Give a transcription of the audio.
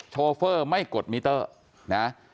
ชอเฟอร์ไม่กดมิเตอร์นะครับ